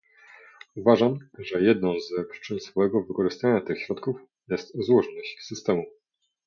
Uważam, że jedną z przyczyn słabego wykorzystania tych środków jest złożoność systemu